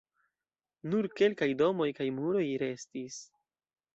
Nur kelkaj domoj kaj muroj restis.